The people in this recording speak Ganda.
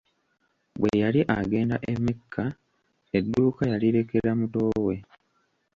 Bwe yali agenda e Mecca edduuka yalirekera muto we.